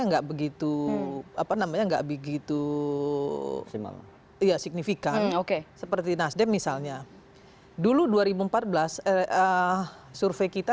enggak begitu apa namanya enggak begitu simak iya signifikan oke seperti nasdem misalnya dulu dua ribu empat belas